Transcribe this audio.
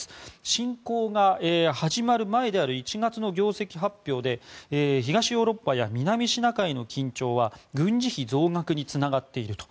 侵攻が始まる前である１月の業績発表で東ヨーロッパや南シナ海の緊張は軍事費増額につながっていると。